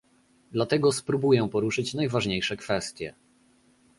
Dlatego spróbuję poruszyć najważniejsze kwestie